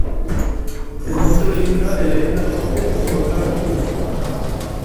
El monte Belinda en la isla Jorge es un volcán activo.